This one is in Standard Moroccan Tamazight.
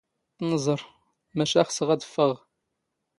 ⵜⵏⵥⵕ, ⵎⴰⵛⴰ ⵅⵙⵖ ⴰⴷ ⴼⴼⵖⵖ.